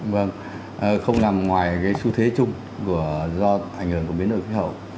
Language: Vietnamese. vâng không nằm ngoài cái xu thế chung do ảnh hưởng của biến đổi khí hậu